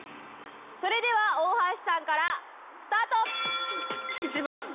それでは大橋さんからスタート！